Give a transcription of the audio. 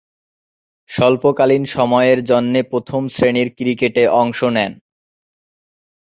স্বল্পকালীন সময়ের জন্যে প্রথম-শ্রেণীর ক্রিকেটে অংশ নেন।